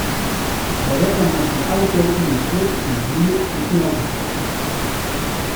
Hy rekke mei syn auto yn in slip en glied de sneldyk op.